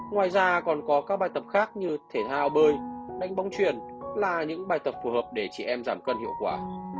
ngoài ra còn có các bài tập khác như thể thao bơi đánh bóng truyền là những bài tập phù hợp để chị em giảm cân hiệu quả